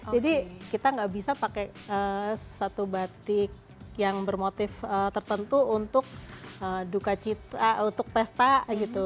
jadi kita gak bisa pakai satu batik yang bermotif tertentu untuk pesta gitu